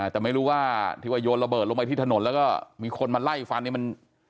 แต่ไม่รู้ว่าที่ว่าโยนระเบิดลงไปที่ถนนแล้วก็มีคนมาไล่ฟันเนี่ยมัน